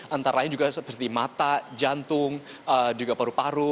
antaranya juga seperti mata jantung juga paru paru